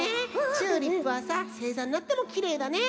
チューリップはさせいざになってもきれいだね。